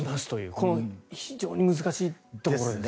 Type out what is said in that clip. この非常に難しいところですね。